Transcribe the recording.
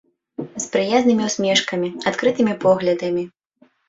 З прыязнымі ўсмешкамі, адкрытымі поглядамі.